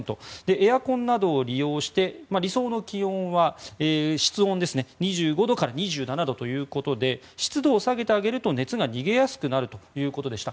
エアコンなどを利用して理想の気温は室温２５度から２７度ということで湿度を下げてあげると熱が逃げやすくなるということでした。